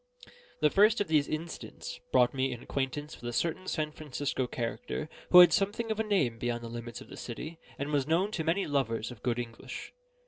The first of these incidents brought me in acquaintance with a certain San Francisco character, who had something of a name beyond the limits of the city, and was known to many lovers of good English.